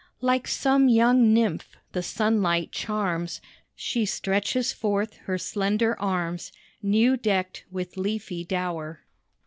Like some young nymph the sunlight charms She stretches forth her slender arms, New decked with leafy dower.